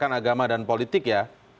pendidikan agama dan politik ya